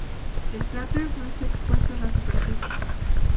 El cráter no está expuesto en la superficie.